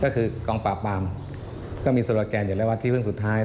กรรมปราบปามก็มีโซโลแกนอยู่หน้าวัดที่พึ่งสุดท้ายที่